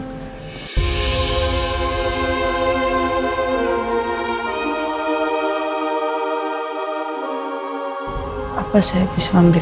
lalu dia berpikir bahwa dia akan tetap berhubung dengan bu andin